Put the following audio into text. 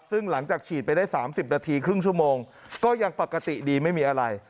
ซึ่งหลังจากฉีดไปได้๓๐นาทีครึ่งชั่วโมงก็ยังปกติดีไม่มีอะไร